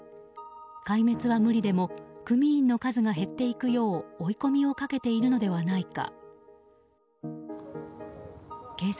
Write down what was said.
壊滅は無理でも組員の数が減っていくよう追い込みをかけているのではないか。